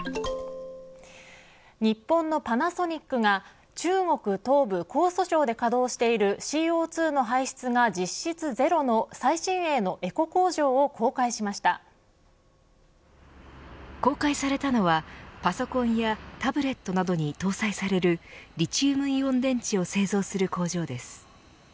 日本のパナソニックが中国東部、江蘇省で稼働しているＣＯ２の排出が実質ゼロの最新鋭のエコ工場を公開されたのはパソコンやタブレットなどに搭載されるリチウムイオン電池を製造する工場です。